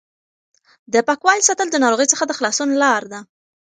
د پاکوالي ساتل د ناروغۍ څخه د خلاصون لار ده.